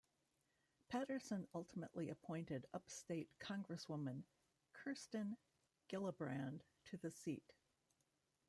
Paterson ultimately appointed upstate Congresswoman Kirsten Gillibrand to the seat.